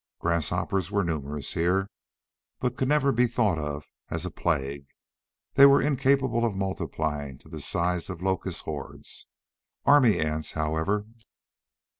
Grasshoppers were numerous here, but could never be thought of as a plague; they were incapable of multiplying to the size of locust hordes. Army ants, however....